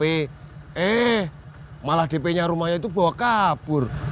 eh malah dp nya rumahnya itu bawa kabur